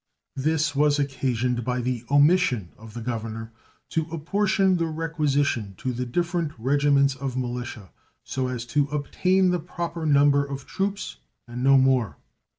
This was occasioned by the omission of the governor to apportion the requisition to the different regiments of militia so as to obtain the proper number of troops and no more.